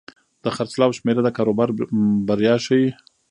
د خرڅلاو شمېره د کاروبار بریا ښيي.